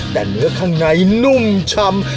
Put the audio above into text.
แต่เนื้อข้างในนุ่มชำ